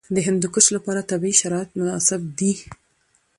د هندوکش لپاره طبیعي شرایط مناسب دي.